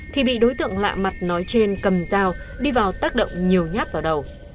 thì bị đối tượng lạ mặt nói trên cầm dao đi vào tác động nhiều nhát vào đầu